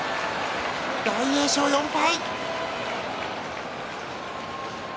大栄翔、４敗。